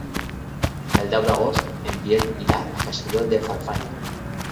El deu d'agost en Biel irà a Castelló de Farfanya.